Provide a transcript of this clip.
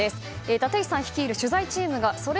立石さん率いる取材チームがソレ